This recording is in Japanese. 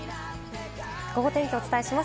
ゴゴ天気をお伝えします。